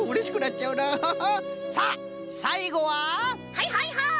はいはいはい！